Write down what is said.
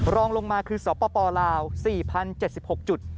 รองลงมาคือสปลาว๔๐๗๖จุด